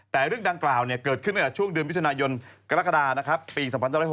แต่เรื่องดังกล่าวเกิดขึ้นตั้งแต่ช่วงเดือนมิถุนายนกรกฎาปี๒๖๖